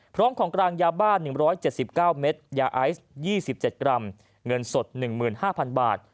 พร้อมของกลางยาบ้านหนึ่งร้อยเจ็ดสิบเก้าเม็ดยาไอส์ยี่สิบเจ็ดกรัมเงินสดหนึ่งหมื่นห้าพันบาท